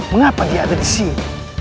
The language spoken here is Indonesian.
mengapa dia ada di sini